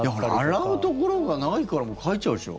洗うところがないからもうかいちゃうでしょ？